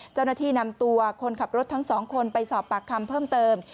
เจ้าหน้าที่นำตัวคนขับรถทั้งสองคนไปสอบปากคำเพิ่มเติม